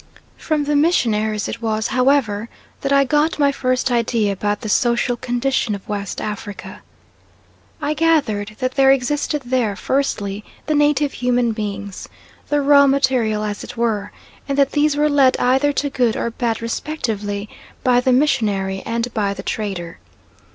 From the missionaries it was, however, that I got my first idea about the social condition of West Africa. I gathered that there existed there, firstly the native human beings the raw material, as it were and that these were led either to good or bad respectively by the missionary and the trader.